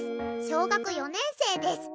小学４年生です。